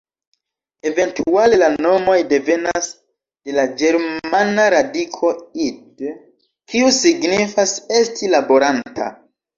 Eventuale la nomoj devenas de la ĝermana radiko "id-", kiu signifas "esti laboranta".